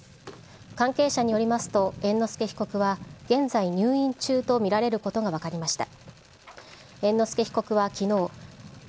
関係者によりますと、猿之助被告は、現在、入院中と見られることが分かりました。